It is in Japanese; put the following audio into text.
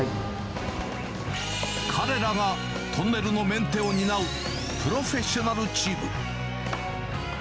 彼らがトンネルのメンテを担うプロフェッショナルチーム。